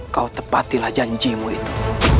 kau tepatilah janjimu itu